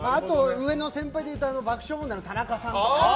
上の先輩でいうと爆笑問題の田中さんとか。